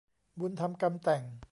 บุญทำกรรมแต่ง